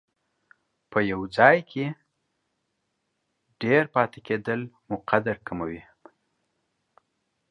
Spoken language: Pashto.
په یو ځای کې ډېر پاتې کېدل مو قدر کموي.